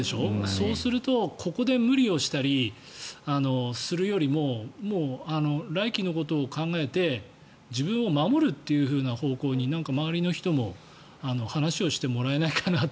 そうするとここで無理するよりももう来季のことを考えて自分を守るという方向に周りの人も話をしてもらえないかなと。